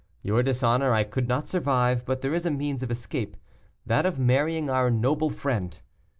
Your dishonor I could not survive; but there is a means of escape that of marrying our noble friend.